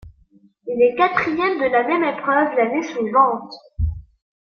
Il est quatrième de la même épreuve l'année suivante.